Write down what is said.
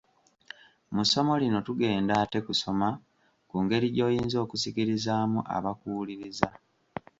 Mu ssomo lino tugenda ate kusoma ku ngeri gy’oyinza okusikirizaamu abakuwuliriza.